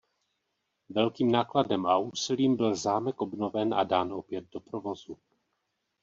Velkým nákladem a úsilím byl zámek obnoven a dán opět do provozu.